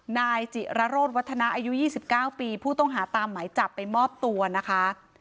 นายจิระโรดวัฒนาอายุยี่สิบเก้าปีผู้ต้องหาตามไหมจับไปมอบตัวนะคะ